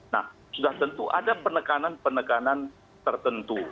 nah sudah tentu ada penekanan penekanan tertentu